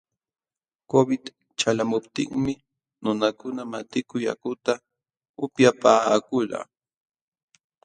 Covid ćhalqamuptinmi nunakuna matiku yakuta upyapaakulqa.